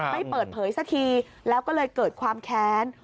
ไม่เปิดเผยสักทีแล้วก็เลยเกิดความแค้น